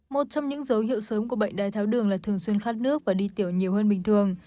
một trong những dấu hiệu sớm của bệnh đai tháo đường là thường xuyên khát nước và đi tiểu nhiều hơn bình thường